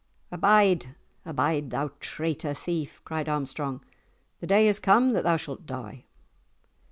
"Abide, abide, thou traitor thief!" cried Armstrong; "the day is come that thou shalt die!"